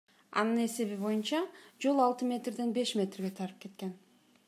Анын эсеби боюнча, жол алты метрден беш метрге тарып кеткен.